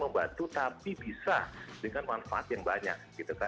membantu tapi bisa dengan manfaat yang banyak